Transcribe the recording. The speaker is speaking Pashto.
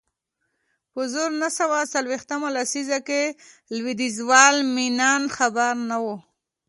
په زر نه سوه څلویښتمه لسیزه کې لوېدیځوال مینان خبر نه و